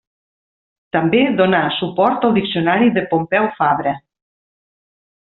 També donà suport al diccionari de Pompeu Fabra.